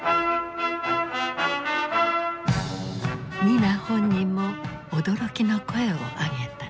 ニナ本人も驚きの声を上げた。